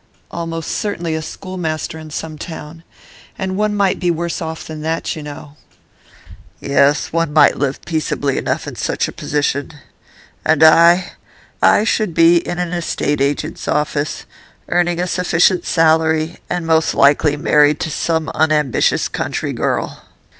'Almost certainly a schoolmaster in some small town. And one might be worse off than that, you know.' 'Yes, one might live peaceably enough in such a position. And I I should be in an estate agent's office, earning a sufficient salary, and most likely married to some unambitious country girl.